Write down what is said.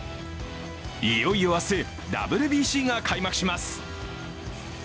いよいよ明日、ＷＢＣが開幕します。